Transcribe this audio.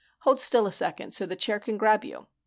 "Hold still a second so the chair can grab you.